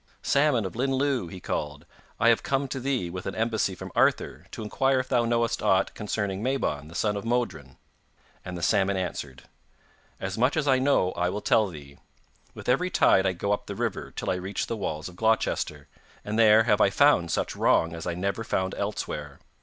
'Salmon of Llyn Llyw,' he called, 'I have come to thee with an embassy from Arthur to inquire if thou knowest aught concerning Mabon the son of Modron.' And the salmon answered: 'As much as I know I will tell thee. With every tide I go up the river, till I reach the walls of Gloucester, and there have I found such wrong as I never found elsewhere.